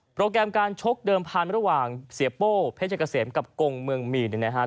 แกรมการชกเดิมพันธุ์ระหว่างเสียโป้เพชรเกษมกับกงเมืองมีนเนี่ยนะฮะ